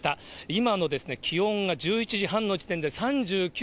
今の気温が、１１時半の時点で、３９．９度。